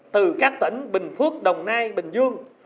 từ các tỉnh bình phước đồng nai bình dương